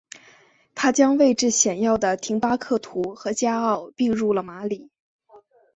他将位置显要的廷巴克图和加奥并入了马里。